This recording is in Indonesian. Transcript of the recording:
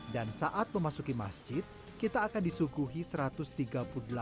dan saat memasuki masjid kita akan disuguhi satu ratus tiga puluh delapan lampu berbagai macam ukuran